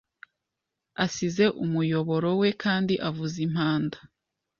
asize umuyoboro we Kandi avuza impanda